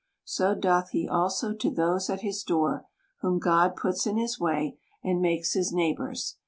So doth he also to those at his door ; whom God puts in his way, and makes his neighbors.